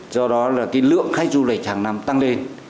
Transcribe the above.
do đó là cái lượng khách du lịch hàng năm tăng lên